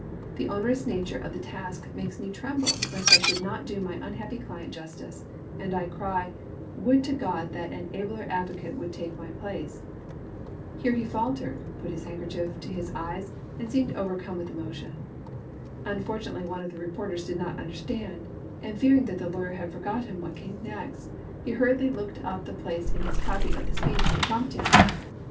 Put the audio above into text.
The onerous nature of the task makes me tremble lest I should not do my unhappy client justice, and I cry, Would to God that an abler advocate would take my place. ' Here he faltered, put his handkerchief to his eyes, and seemed overcome with emotion. Unfortu nately one of the reporters did not understand, and fear ing that the lawyer had forgotten what came next, he hurriedly looked up the place in his copy of the speech to prompt him.